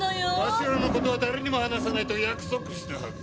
わしらの事は誰にも話さないと約束したはず。